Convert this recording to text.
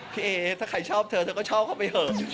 เอ๊ถ้าใครชอบเธอเธอก็ชอบเข้าไปเถอะ